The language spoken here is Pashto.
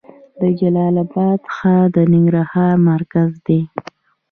د جلال اباد ښار د ننګرهار مرکز دی